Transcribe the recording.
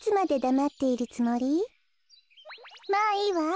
まあいいわ。